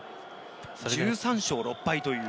１３勝６敗という。